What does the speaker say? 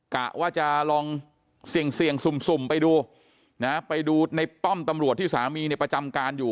กะว่าจะลองเสี่ยงเสี่ยงสุ่มไปดูนะไปดูในป้อมตำรวจที่สามีเนี่ยประจำการอยู่